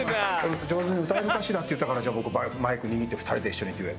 「上手に歌えるかしら」って言ったからじゃあ僕マイク握って２人で一緒にデュエットして。